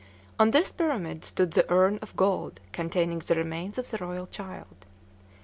On this pyramid stood the urn of gold containing the remains of the royal child.